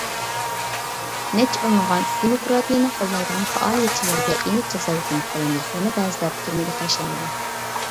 نەچچە ئونلىغان دېموكراتىيەنى قوللايدىغان پائالىيەتچىلەرگە يېنىك جازا ھۆكۈم قىلىندى، يەنە بەزىلەر تۈرمىگە تاشلاندى.